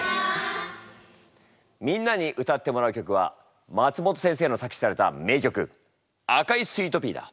みんなに歌ってもらう曲は松本先生の作詞された名曲「赤いスイートピー」だ。